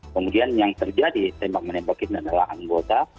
kemudian yang terjadi tembak menembakin adalah anggota